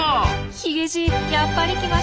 ヒゲじいやっぱり来ましたね。